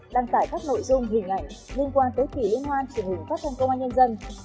đăng tải các nội dung hình ảnh liên quan tới kỳ liên hoan truyền hình phát thông công an nhân dân